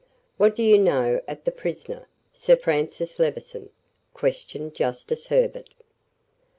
"What do you know of the prisoner, Sir Francis Levison?" questioned Justice Herbert.